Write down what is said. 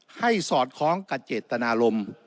สอดคล้องกับเจตนารมณ์